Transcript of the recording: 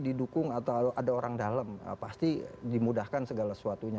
wah tim ini didukung atau ada orang dalam pasti dimudahkan segala suatunya